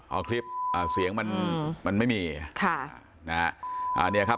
เอาคลิปอ่าเสียงมันมันไม่มีค่ะนะฮะอ่าเนี่ยครับ